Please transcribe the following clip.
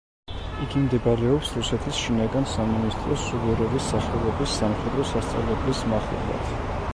იგი მდებარეობს რუსეთის შინაგან სამინისტროს სუვოროვის სახელობის სამხედრო სასწავლებლის მახლობლად.